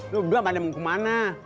lu belakang ada mau ke mana